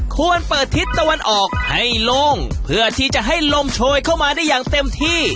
ควรเปิดทิศตะวันออกให้โล่งเพื่อที่จะให้ลมโชยเข้ามาได้อย่างเต็มที่